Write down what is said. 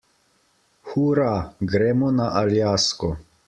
Hura, gremo na Aljasko!